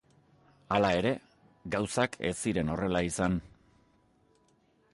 Hala ere, gauzak ez ziren horrela izan.